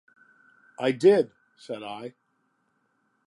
“I did,” said I.